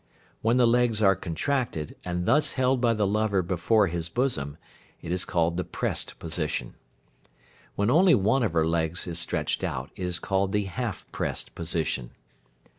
When the legs are contracted, and thus held by the lover before his bosom, it is called the "pressed position." When only one of her legs is stretched out, it is called the "half pressed position."